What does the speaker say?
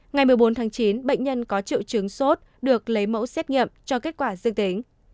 ngày một mươi bốn tháng chín bệnh nhân có triệu chứng sốt được lấy mẫu xét nghiệm cho kết quả dương tính